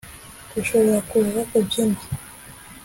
dushobora kuza kubyin.